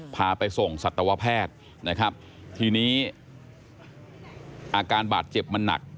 พาไปส่งสัตวแพทย์นะครับทีนี้อาการบาดเจ็บมันหนัก